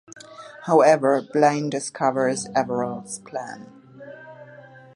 However, Blaine discovers Averell's plan.